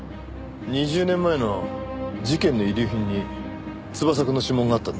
２０年前の事件の遺留品に翼くんの指紋があったんです。